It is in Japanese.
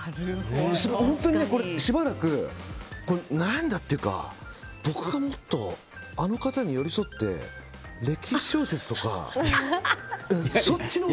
本当にしばらく悩んだというか僕がもっとあの方に寄り添って歴史小説とかそっちを。